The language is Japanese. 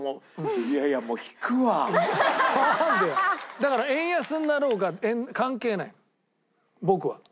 だから円安になろうが関係ないの僕は。